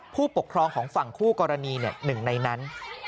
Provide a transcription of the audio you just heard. ผู้ปกครองของฝั่งคู่กรณีหนึ่งในนั้น